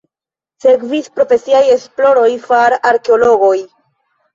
Sekvis profesiaj esploroj far arkeologoj.